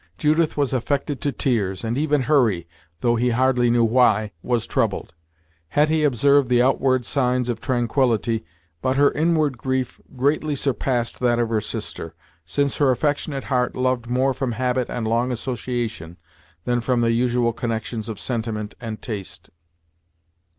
Judith was affected to tears, and even Hurry, though he hardly knew why, was troubled. Hetty preserved the outward signs of tranquillity, but her inward grief greatly surpassed that of her sister, since her affectionate heart loved more from habit and long association, than from the usual connections of sentiment and taste.